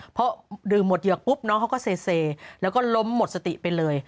พอดื่มหมดเหยือกปุ๊บน้องเขาก็เซแล้วก็ล้มหมดสติไปเลย